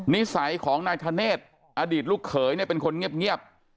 นิสัยของนายธเนธอดีตลูกเขยเนี่ยเป็นคนเงียบ